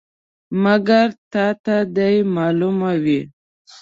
مګر تا ته دې معلومه وي.